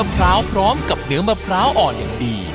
พร้าวพร้อมกับเนื้อมะพร้าวอ่อนอย่างดี